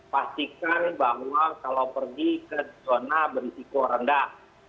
pastikan bahwa kalau pergi ke zona berisiko rendah